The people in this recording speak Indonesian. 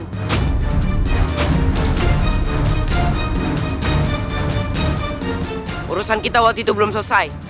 urusan kita waktu itu belum selesai